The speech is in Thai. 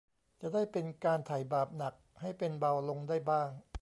จะได้เป็นการไถ่บาปหนักให้เป็นเบาลงได้บ้าง